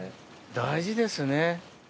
大事ですね。